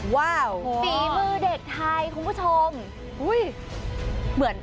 สีมือเด็กไทยคุณผู้ชม